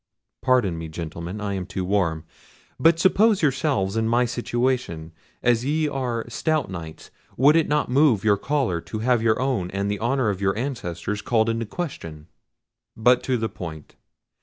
—pardon me, gentlemen, I am too warm: but suppose yourselves in my situation: as ye are stout Knights, would it not move your choler to have your own and the honour of your ancestors called in question?" "But to the point.